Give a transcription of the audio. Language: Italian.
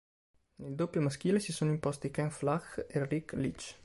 Nel doppio maschile si sono imposti Ken Flach e Rick Leach.